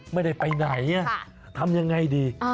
ไม่ได้ไปไหนทำยังไงดี